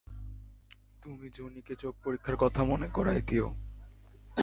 তুমি জুনিকে চোখ পরিক্ষার কথা মনে করাই দিও।